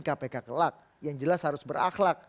kpk kelak yang jelas harus berakhlak